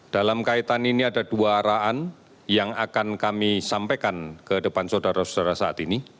dalam kaitan ini ada dua arahan yang akan kami sampaikan ke depan saudara saudara saat ini